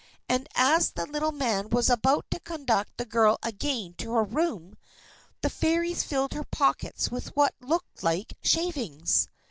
And as the little man was about to conduct the girl again to her room, the Fairies filled her pockets with what looked like shavings.